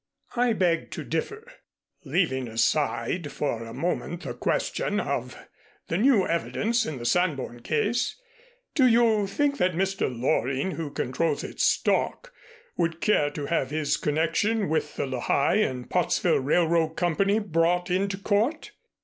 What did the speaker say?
"I beg to differ. Leaving aside for a moment the question of the new evidence in the Sanborn case, do you think that Mr. Loring, who controls its stock, would care to have his connection with the Lehigh and Pottsville Railroad Company brought into court?"